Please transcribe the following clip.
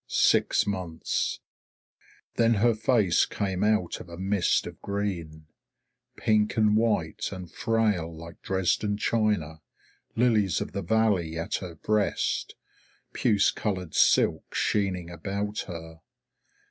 Six months! Then her face came out of a mist of green. Pink and white and frail like Dresden china, lilies of the valley at her breast, puce coloured silk sheening about her.